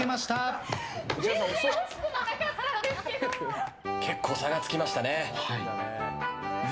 全然結構、差がつきましたね。